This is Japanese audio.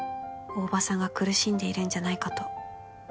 「大庭さんが苦しんでいるんじゃないかと」